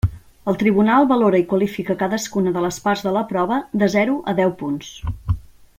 El tribunal valora i qualifica cadascuna de les parts de la prova de zero a deu punts.